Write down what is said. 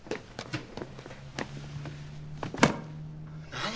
何？